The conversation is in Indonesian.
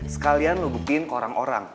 sekalian lu bukin ke orang orang